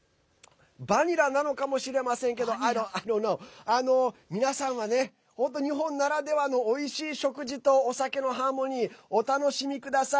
バニラなのかもしれませんけど皆さんは日本ならではのおいしい食事とお酒のハーモニーお楽しみください。